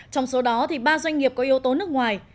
trong số đó ba doanh nghiệp có yếu tố nước ngoài